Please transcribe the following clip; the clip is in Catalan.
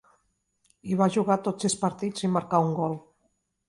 Hi va jugar tots sis partits, i marcà un gol.